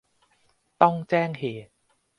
ต้องแจ้งเหตุ